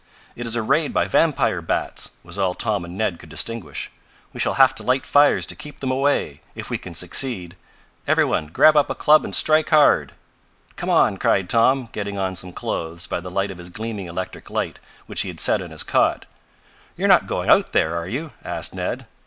"It is a raid by vampire bats!" was all Tom and Ned could distinguish. "We shall have to light fires to keep them away, if we can succeed. Every one grab up a club and strike hard!" "Come on!" cried Tom, getting on some clothes by the light of his gleaming electric light which he had set on his cot. "You're not going out there, are you?" asked Ned.